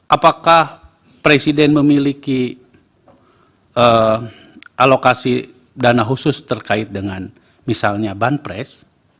apakah presiden memiliki alokasi dana khusus terkait dengan misalnya banpres